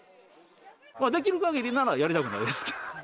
できる限りならやりたくないですけど。